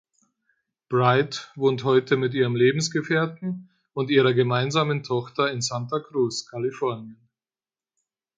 Bright wohnt heute mit ihrem Lebensgefährten und ihrer gemeinsamen Tochter in Santa Cruz, Kalifornien.